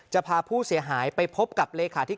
จะพาผู้เสียหายไปพบกับ